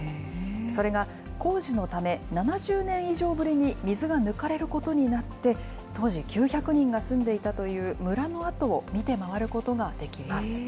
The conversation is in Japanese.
それが工事のため、７０年以上ぶりに水が抜かれることになって、当時９００人が住んでいたという、村の跡を見て回ることができます。